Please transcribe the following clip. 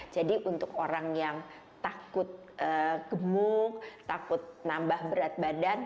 untuk orang yang takut gemuk takut nambah berat badan